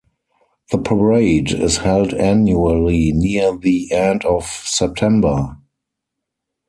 The parade is held annually near the end of September.